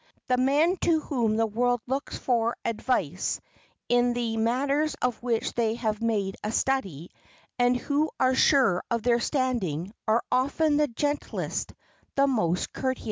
The men to whom the world looks for advice in the matters of which they have made a study, and who are sure of their standing, are often the gentlest, the most courteous.